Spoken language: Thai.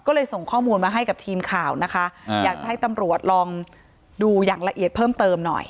ก็เลยส่งข้อมูลมาให้กับทีมข่าวนะคะอยากจะให้ตำรวจลองดูอย่างละเอียดเพิ่มเติมหน่อย